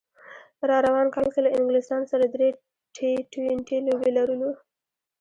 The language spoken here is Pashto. راروان کال کې له انګلستان سره درې ټي ټوینټي لوبې لرو